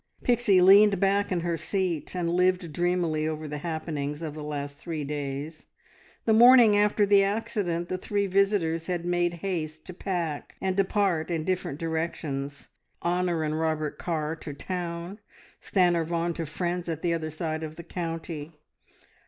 Pixie leaned back in her seat, and lived dreamily over the happenings of the last three days. The morning after the accident the three visitors had made haste to pack, and depart in different directions Honor and Robert Carr to town, Stanor Vaughan to friends at the other side of the county.